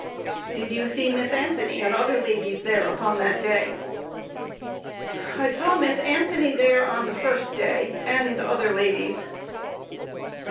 Q. Did you see Miss Anthony and other ladies there upon that day? A. I saw Miss Anthony there on the first day, and other ladies.